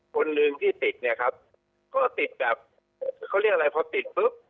คนหนึ่งที่ติดเนี่ยครับก็ติดแบบเขาเรียกอะไรพอติดปุ๊บ